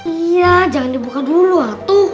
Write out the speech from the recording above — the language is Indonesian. iya jangan dibuka dulu waktu